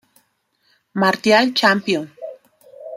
Martial Champion